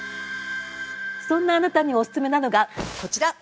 ◆そんなあなたにお勧めなのがこちら！